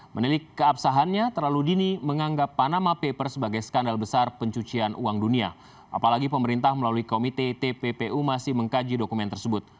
menilik keabsahannya terlalu dini menganggap panama papers sebagai skandal besar pencucian uang dunia apalagi pemerintah melalui komite tppu masih mengkaji dokumen tersebut